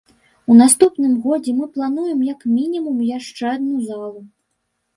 У наступным годзе мы плануем як мінімум яшчэ адну залу.